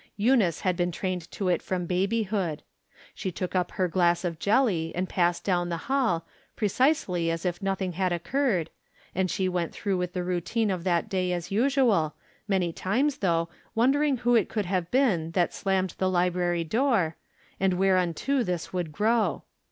Eunice had been trained to 198 From Different Standpoints. it from her babyhood. She took up her glass of jelly and passed down the hall, precisely as if nothing had occurred, and she went through with the routine of that day as usual, many times, though, wondering who it could have been that slammed the library door, and whereunto this would grow.